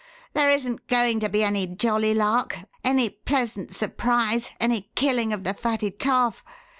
There isn't going to be any 'jolly lark,' any 'pleasant surprise,' any 'killing of the fatted calf.'